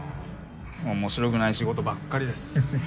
面白くない仕事ばっかりです。